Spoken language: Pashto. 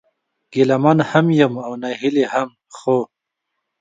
ګيله من هم يم او ناهيلی هم ، خو